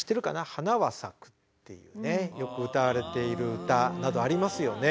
「花は咲く」っていうねよく歌われている歌などありますよね。